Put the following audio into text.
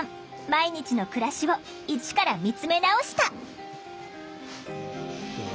毎日の暮らしをイチから見つめ直した！